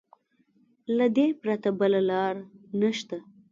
له دې پرته بله لاره نشته.